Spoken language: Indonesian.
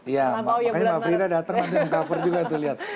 iya makanya mbak frida datang nanti meng cover juga tuh lihat